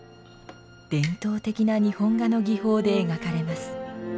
伝統的な日本画の技法で描かれます。